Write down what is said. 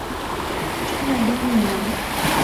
Chỗ này đông người lắm